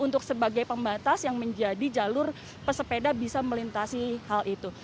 untuk sebagai pembatas yang menjadi jalur pesepeda bisa melintasi hal itu